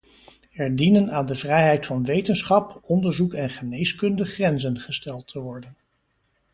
Er dienen aan de vrijheid van wetenschap, onderzoek en geneeskunde grenzen gesteld te worden.